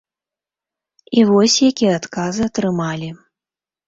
І вось, якія адказы атрымалі.